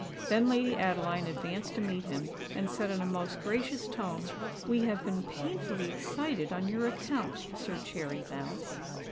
Then Lady Adeline advanced to meet him, and said in a most gracious tone, "We have been painfully excited on your account, Sir Cherry Bounce."